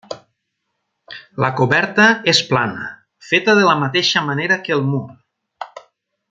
La coberta és plana, feta de la mateixa manera que el mur.